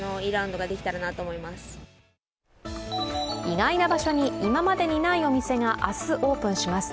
意外な場所に今までにないお店が明日オープンします。